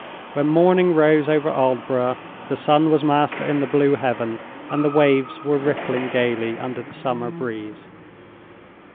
When morning rose over Aldborough, the sun was master in the blue heaven, and the waves were rippling gayly under the summer breeze.